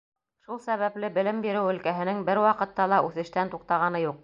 Шул сәбәпле белем биреү өлкәһенең бер ваҡытта ла үҫештән туҡтағаны юҡ.